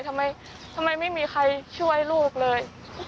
ทำไมไม่มีใครช่วยลูกเลย